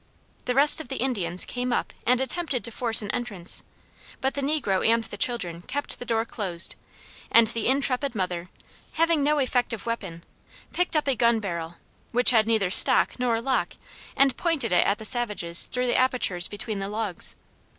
The rest of the Indians came up and attempted to force an entrance, but the negro and the children kept the door closed, and the intrepid mother, having no effective weapon, picked up a gun barrel which had neither stock nor lock and pointed it at the savages through the apertures between the logs.